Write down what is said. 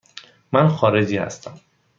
من خارجی هستم.